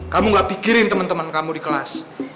kamu gak pikirin temen temen kamu di kelas